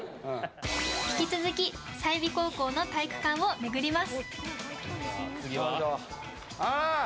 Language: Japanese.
引き続き済美高校の体育館を巡ります。